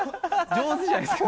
上手じゃないですか？